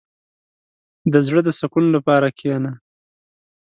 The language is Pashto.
• د زړۀ د سکون لپاره کښېنه.